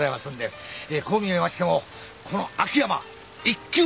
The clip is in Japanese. こう見えましてもこの秋山一級葬祭。